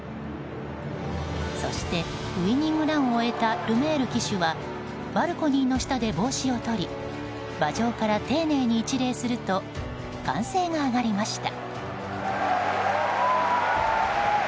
そしてウィニングランを終えたルメール騎手はバルコニーの下で帽子を取り馬上から丁寧に一礼すると歓声が上がりました。